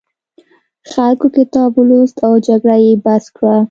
خلکو کتاب ولوست او جګړه یې بس کړه.